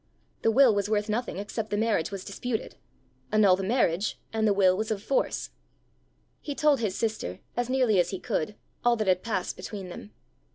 The will was worth nothing except the marriage was disputed: annul the marriage, and the will was of force! He told his sister, as nearly as he could, all that had passed between them.